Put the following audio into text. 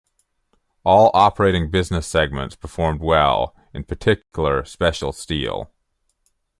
All operating business segments performed well, in particular special steel.